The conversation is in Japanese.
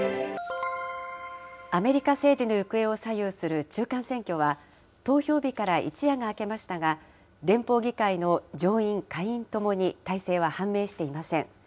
アメリカ政治の行方を左右する中間選挙は、投票日から一夜が明けましたが、連邦議会の上院、下院ともに大勢は判明していません。